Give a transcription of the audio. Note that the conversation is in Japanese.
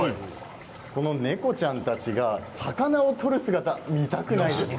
この猫ちゃんたちが魚を取る姿を見たくないですか？